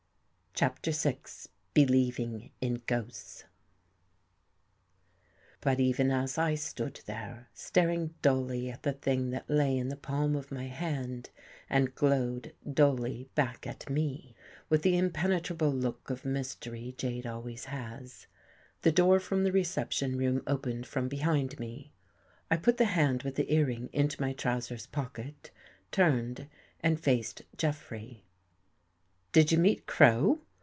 63 CHAPTER VI BELIEVING IN GHOSTS B ut even as I stood there, staring dully at the thing that lay in the palm of my hand and glowed dully back at me, with the impenetrable look of mystery jade always has, the door from the re ception room opened from behind me. I put the hand with the earring Into my trousers pocket, turned and faced Jeffrey. " Did you meet Crow?